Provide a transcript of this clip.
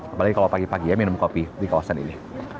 apalagi kalau pagi pagi ya minum kopi di kawasan ini